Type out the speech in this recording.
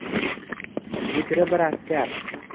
Bukri bir askar